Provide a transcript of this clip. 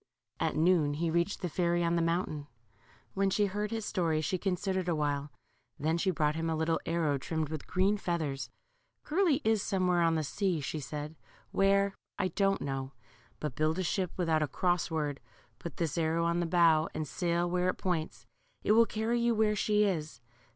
At noon he reached the fairy on the mountain. When she heard his story she considered awhile ; then she brought him a little arrow trimmed with green feathers. Curly is somewhere on the sea/' said she ; where, I don't know : but build a ship without a cross word, put this arrow on the bow, and sail where it points. It will carry you where she is.